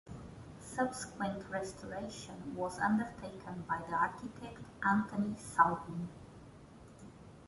Subsequent restoration was undertaken by the architect Anthony Salvin.